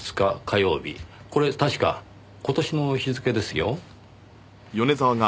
これ確か今年の日付ですよ。